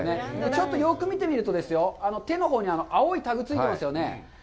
ちょっとよく見てみるとですよ、手のほうに青いタグがついてますよね。